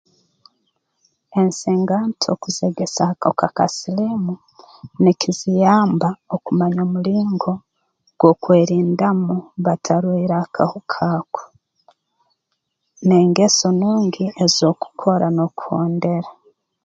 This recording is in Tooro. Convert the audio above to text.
Ensinganto kuzeegesaho akahuka ka siliimu nikiziyamba okumanya omulingo gw'okwerindamu batarwaire akahuka ako n'engeso nungi ezi okukora n'okuhondera